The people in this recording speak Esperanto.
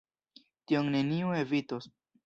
Tion neniu evitos.